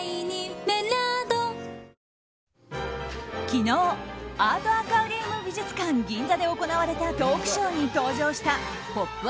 昨日アートアクアリウム美術館ＧＩＮＺＡで行われたトークショーに登場した「ポップＵＰ！」